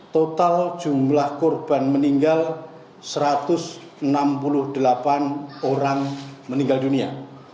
total jumlah korban meninggal satu ratus enam puluh delapan orang meninggal dunia